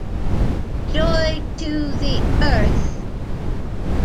Joy to the earth!